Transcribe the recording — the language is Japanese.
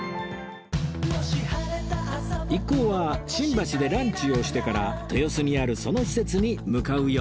一行は新橋でランチをしてから豊洲にあるその施設に向かうようです